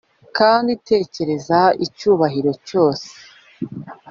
kandi tekereza icyubahiro cyose, ,